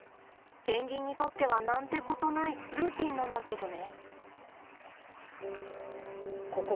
ペンギンにとっては何てことないルーティンなんだけどね。